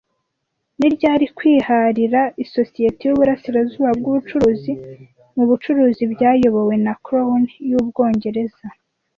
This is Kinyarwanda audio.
Ni ryari kwiharira Isosiyete y'Uburasirazuba bw'Ubucuruzi mu bucuruzi byayobowe na Crown y'Ubwongereza